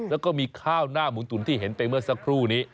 แล้วก็มีข้าวหน้าหมูตุ๋นที่เห็นไปเมื่อสักครู่นี้